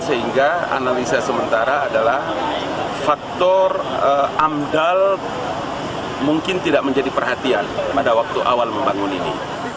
sehingga analisa sementara adalah faktor amdal mungkin tidak menjadi perhatian pada waktu awal membangun ini